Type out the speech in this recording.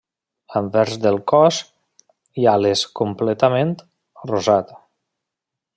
Anvers del cos i ales completament rosat.